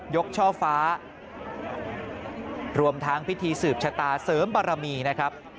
ช่อฟ้ารวมทั้งพิธีสืบชะตาเสริมบารมีนะครับ